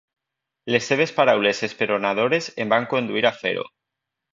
Les seves paraules esperonadores em van conduir a fer-ho.